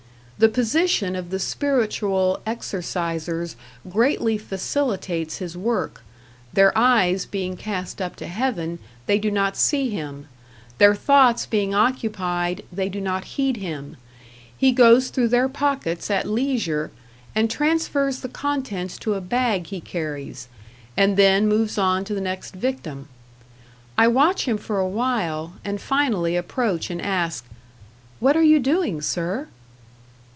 The position of the spiritual exercisers greatly facilitates his work; their eyes being cast up to heaven, they do not see him, their thoughts being occupied, they do not heed him; he goes through their pockets at leisure, and transfers the contents to a bag he carries, and then moves on to the next victim. I watch him for a while, and finally approach and ask, "What are you doing, sir?"